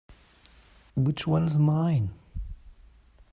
Which one is mine?